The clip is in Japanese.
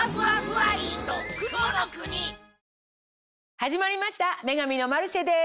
始まりました『女神のマルシェ』です。